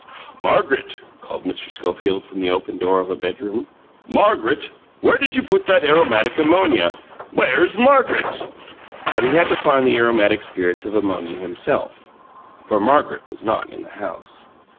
"Margaret," called Mr. Schofield from the open door of a bedroom, "Margaret, where did you put that aromatic ammonia? Where's Margaret?" But he had to find the aromatic spirits of ammonia himself, for Margaret was not in the house.